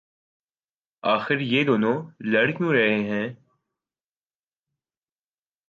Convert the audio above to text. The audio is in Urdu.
آخر یہ دونوں لڑ کیوں رہے ہیں